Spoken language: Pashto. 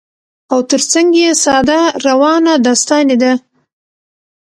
او تر څنګ يې ساده، روانه داستاني ده